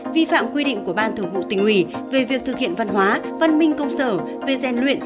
vi phạm quy định của ban thường vụ tỉnh ủy về việc thực hiện văn hóa văn minh công sở về rèn luyện